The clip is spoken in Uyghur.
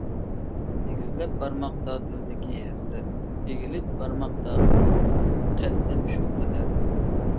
ئېگىزلەپ بارماقتا دىلدىكى ھەسرەت، ئېگىلىپ بارماقتا قەددىم شۇ قەدەر.